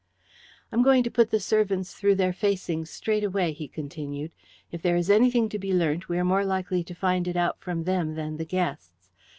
"I'm going to put the servants through their facings straight away," he continued. "If there is anything to be learnt we are more likely to find it out from them than the guests.